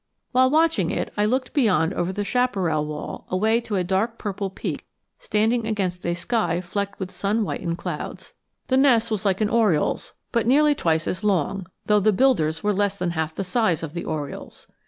While watching it I looked beyond over the chaparral wall away to a dark purple peak standing against a sky flecked with sun whitened clouds. The nest was like an oriole's, but nearly twice as long, though the builders were less than half the size of the orioles.